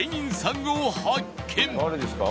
誰ですか？